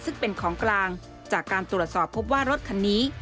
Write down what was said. ซึ่งเป็นของกลางจากการตรวจสอบพบว่ารถคันนี้